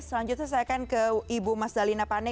selanjutnya saya akan ke ibu mas dalina pane